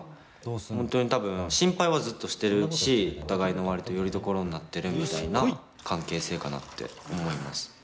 本当に多分心配はずっとしてるしお互いの割とよりどころになってるみたいな関係性かなって思います。